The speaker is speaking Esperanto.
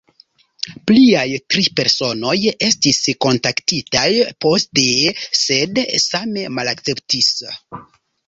Pliaj tri personoj estis kontaktitaj poste, sed same malakceptis.